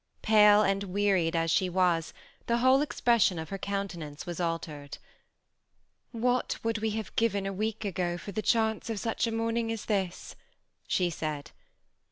Pale and wearied as she was, the whole expression of her coun tenance was altered. ^' What would we have given a week ago for the chance of such a morning as this ?" she said.